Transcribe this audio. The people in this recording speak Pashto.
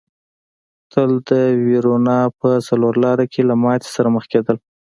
تل د وېرونا په څلور لاره کې له ماتې سره مخ کېدل.